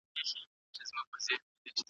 څه وخت خصوصي سکتور غنم هیواد ته راوړي؟